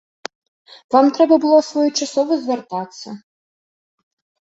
Вам трэба было своечасова звяртацца.